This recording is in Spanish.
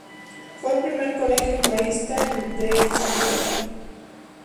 Fue el primer Colegio Marista de El Salvador.